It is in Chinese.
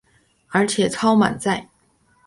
而且超满载